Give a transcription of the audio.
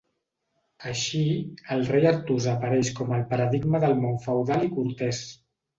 Així, el rei Artús apareix com el paradigma del món feudal i cortès.